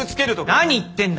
何言ってんだ！